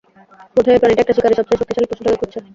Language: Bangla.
বোধহয় এই প্রাণীটা একটা শিকারী, সবচেয়ে শক্তিশালী পশুটাকে খুঁজছে।